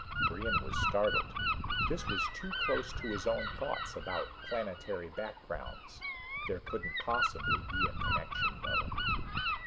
Brion was startled. This was too close to his own thoughts about planetary backgrounds. There couldn't possibly be a connection though.